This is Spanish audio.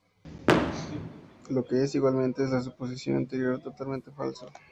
Lo que es, igualmente que la suposición anterior, totalmente falso.